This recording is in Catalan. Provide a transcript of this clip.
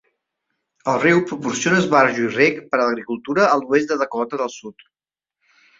El riu proporciona esbarjo i rec per a l'agricultura a l'oest de Dakota del Sud.